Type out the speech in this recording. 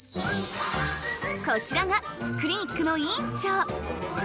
こちらがクリニックの院長。